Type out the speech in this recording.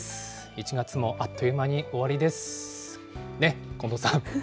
１月もあっという間に終わりですね、近藤さん。